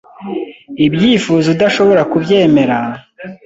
Ibyifuzo udashobora kubyemera